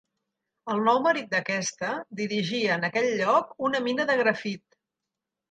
El nou marit d'aquesta dirigia en aquell lloc una mina de grafit.